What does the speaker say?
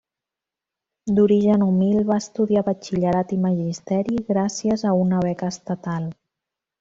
D'origen humil, va estudiar batxillerat i magisteri gràcies a una beca estatal.